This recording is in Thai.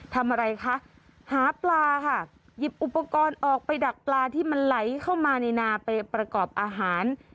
ทำอะไรคะหาปลาค่ะหยิบอุปกรณ์ออกไปดักปลาที่มันไหลเข้ามาในนาไปประกอบอาหาร